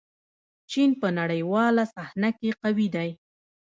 چین په نړیواله صحنه کې قوي دی.